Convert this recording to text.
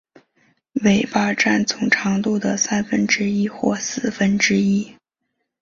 尾巴占总长度的三分之一或四分之一。